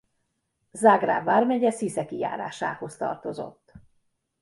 Zágráb vármegye Sziszeki járásához tartozott.